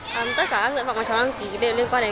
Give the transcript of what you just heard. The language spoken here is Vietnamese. tất cả các nguyện vọng mà cháu đăng ký đều liên quan đến